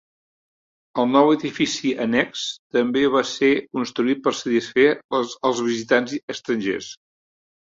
El nou edifici annex també va ser construït per satisfer els visitants estrangers.